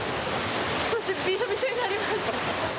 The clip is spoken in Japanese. そして、びしょびしょになります。